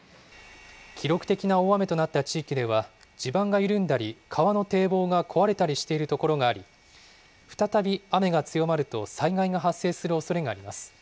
記録的な大雨となった地域では、地盤が緩んだり、川の堤防が壊れたりしている所があり、再び雨が強まると災害が発生するおそれがあります。